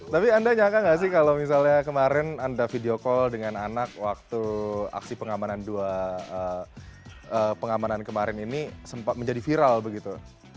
tapi anda nyangka gak sih kalau misalnya kemarin anda video call dengan anak waktu aksi pengamanan kemarin ini sempat menjadi viral begitu